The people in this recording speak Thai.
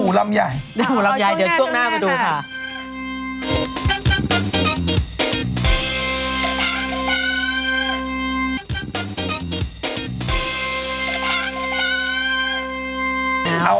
เอาอะไรก่อนดีครับลำนาบใหญ่ลำยาว